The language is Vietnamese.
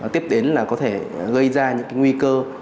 tiếp đến là có thể gây ra những nguy cơ